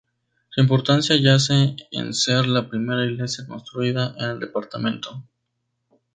Su importancia yace en ser la primera iglesia construida en el departamento.